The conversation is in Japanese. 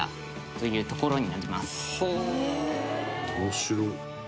面白いな。